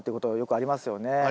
ありますね。